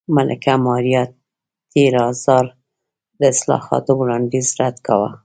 ملکه ماریا تېرازا د اصلاحاتو وړاندیز رد کاوه.